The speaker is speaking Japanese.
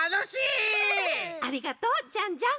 ありがとうジャンジャン。